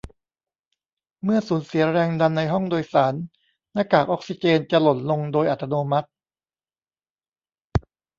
เมื่อสูญเสียแรงดันในห้องโดยสารหน้ากากออกซิเจนจะหล่นลงโดยอัตโนมัติ